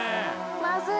まずい。